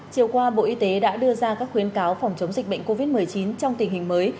chiều qua bộ y tế đã đưa ra các khuyến cáo phòng chống dịch bệnh covid một mươi chín trong tình hình mới